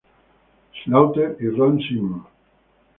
Slaughter y Ron Simmons.